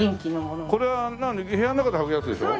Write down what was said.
これは部屋の中で履くやつでしょ？